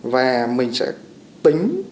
và mình sẽ tính